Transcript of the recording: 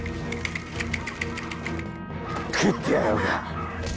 食ってやろうか！